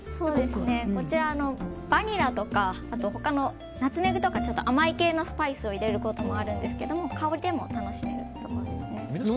こちら、バニラとか他のナツメグとか甘い系のスパイスを入れることもあるんですけど香りでも楽しめると思います。